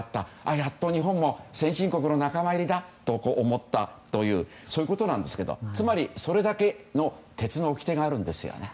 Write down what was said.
やっと日本も先進国の仲間入りだと思ったというそういうことなんですがつまりそれだけの鉄のおきてがあるんですよね。